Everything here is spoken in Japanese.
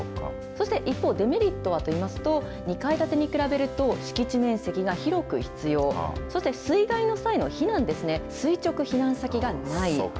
そして一方、デメリットはといいますと、２階建てに比べると敷地面積が広く必要、そして水害の際の避難ですね、垂直避難先がない。